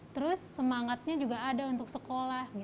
terus semangatnya juga ada untuk sekolah